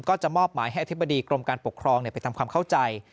ก็จะมอบหมายให้อธิบดีกรมการปกครองไปทำความเข้าใจ